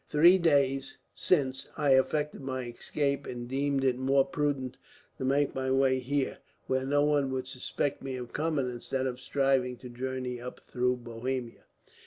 Three days since I effected my escape, and deemed it more prudent to make my way here, where no one would suspect me of coming, instead of striving to journey up through Bohemia."